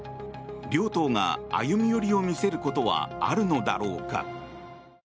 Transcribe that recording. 両党が歩み寄りを見せることはあるのだろうか。